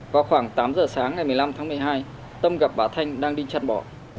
vào khoảng tám giờ sáng ngày một mươi năm tháng một mươi hai tâm gặp bà thanh đang đi chăn bò